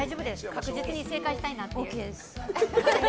確実に正解したいなっていう。